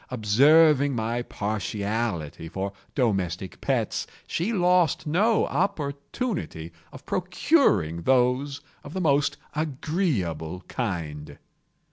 Observing my partiality for domestic pets, she lost no opportunity of procuring those of the most agreeable kind.